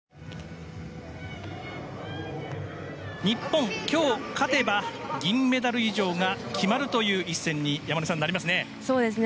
日本今日勝てば銀メダル以上が決まるという一戦に山根さん、なりますね。